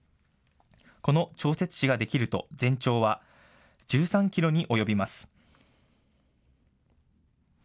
この調節池ができると全長は１３キロに及びます。